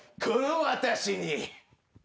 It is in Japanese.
この私に。